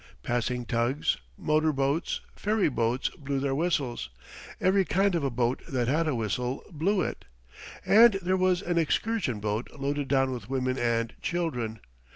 Passing tugs, motor boats, ferry boats blew their whistles every kind of a boat that had a whistle blew it and there was an excursion boat loaded down with women and children.